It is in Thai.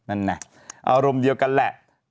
อารมณ์เดียวกันแหละ